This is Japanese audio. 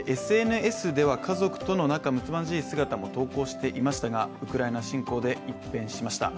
ＳＮＳでは家族との仲睦まじい姿も投稿していましたがウクライナ侵攻で一変しました。